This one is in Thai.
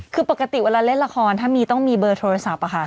คือปกติเวลาเล่นละครถ้ามีต้องมีเบอร์โทรศัพท์ค่ะ